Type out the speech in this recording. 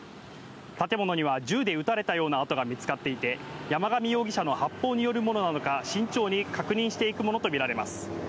建物には銃で撃たれたような痕が見つかっていて、山上容疑者の発砲によるものなのか、慎重に確認していくものとみられます。